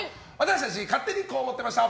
勝手にこう思ってました！